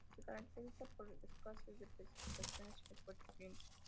Se caracteriza por la escasez de precipitaciones y los fuertes vientos.